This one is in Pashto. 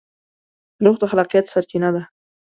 روح د خلاقیت سرچینه ده.